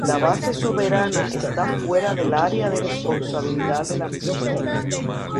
La base soberana está fuera del área de responsabilidad de la misión.